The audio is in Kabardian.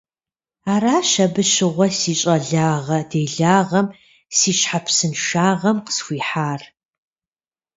Аращ абы щыгъуэ си щӀалагъэ-делагъэм, си щхьэпсыншагъэм къысхуихьар.